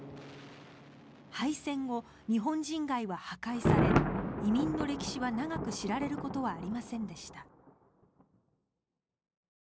敗戦後、日本人街は破壊され移民の歴史は長く知られることはありませんでした。